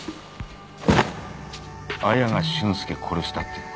亜矢が俊介殺したっていうのか？